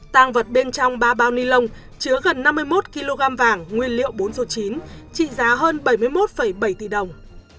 tăng vật bên trong ba bao ni lông chứa gần năm mươi một kg vàng nguyên liệu bốn số chín trị giá hơn bảy mươi một bảy tỷ đồng